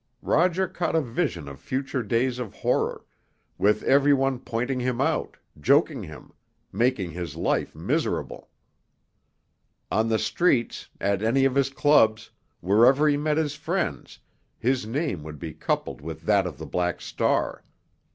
Roger caught a vision of future days of horror, with every one pointing him out, joking him, making his life miserable. On the streets, at any of his clubs, wherever he met his friends, his name would be coupled with that of the Black Star.